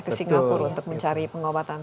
ke singapura untuk mencari pengobatan